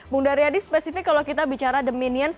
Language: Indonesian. bung daryadi spesifik kalau kita bicara the minions